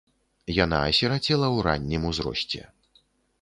Яна асірацела ў раннім узросце.